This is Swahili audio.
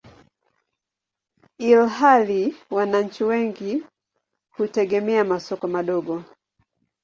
ilhali wananchi wengi hutegemea masoko madogo.